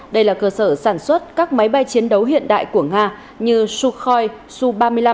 đây là cơ sở sản xuất các máy bay chiến đấu hiện đại của nga như sukhoi su ba mươi năm